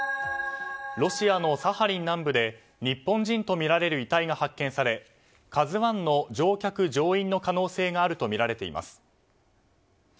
ロシアのサハリン南部で日本人とみられる遺体が発見され「ＫＡＺＵ１」の乗客・乗員の可能性があるとみられています。